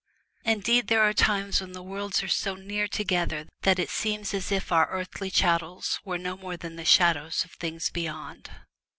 Indeed there are times when the worlds are so near together that it seems as if our earthly chattels were no more than the shadows of things beyond.